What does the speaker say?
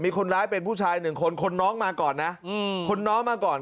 มีคนร้ายเป็นผู้ชายหนึ่งคนคนน้องมาก่อนนะคนน้องมาก่อน